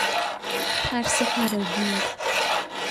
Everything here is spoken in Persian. ترس فراگیر